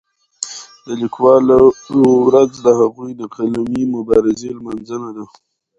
د لیکوالو ورځ د هغوی د قلمي مبارزې لمانځنه ده.